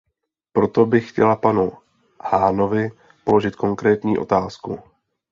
Proto bych chtěla panu Hahnovi položit konkrétní otázku.